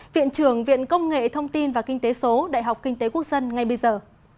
viện trưởng viện công nghệ thông tin và kinh tế số đại học kinh tế quốc dân ngay bây giờ